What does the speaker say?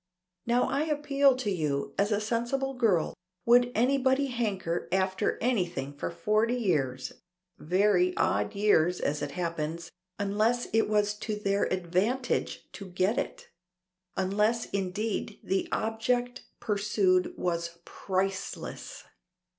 Now I appeal to you, as a sensible girl, would anybody hanker after anything for forty odd years (very odd years as it happens), unless it was to their advantage to get it; unless, indeed, the object pursued was priceless!"